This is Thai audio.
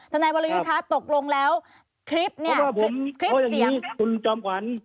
ธนายวรรยุทธ์ค่ะตกลงแล้วคลิปเสียง